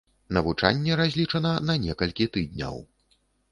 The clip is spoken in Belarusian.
Навучанне разлічана на некалькі тыдняў.